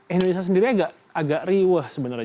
indonesia sendiri agak riwah sebenarnya